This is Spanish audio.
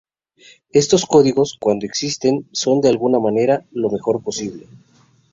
Estos códigos, cuando existen, son de alguna manera lo mejor posible.